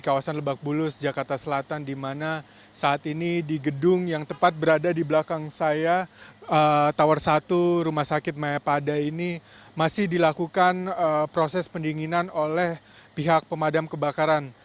kawasan lebak bulus jakarta selatan di mana saat ini di gedung yang tepat berada di belakang saya tower satu rumah sakit mayapada ini masih dilakukan proses pendinginan oleh pihak pemadam kebakaran